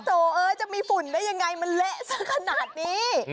เออจะมีฝุ่นได้ยังไงมันเละสักขนาดนี้